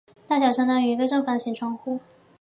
大小相当于一个正方形窗户。